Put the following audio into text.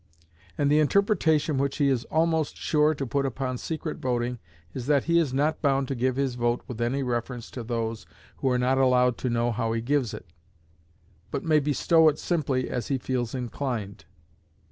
And the interpretation which he is almost sure to put upon secret voting is that he is not bound to give his vote with any reference to those who are not allowed to know how he gives it; but may bestow it simply as he feels inclined.